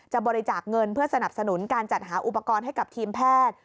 บริจาคเงินเพื่อสนับสนุนการจัดหาอุปกรณ์ให้กับทีมแพทย์